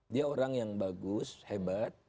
dia orang yang bagus hebat